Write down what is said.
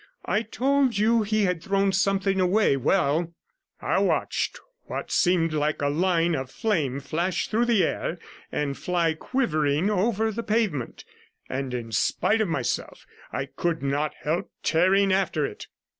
I told you he had thrown something away; well, I watched what seemed a line of flame flash through the air and fly quivering over the 10 pavement, and in spite of myself I could not help tearing after it.